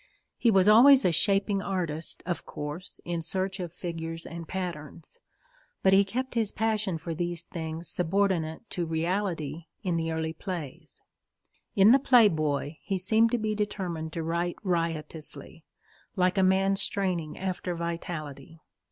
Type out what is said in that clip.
He was always a shaping artist, of course, in search of figures and patterns; but he kept his passion for these things subordinate to reality in the early plays. In The Playboy he seemed to be determined to write riotously, like a man straining after vitality.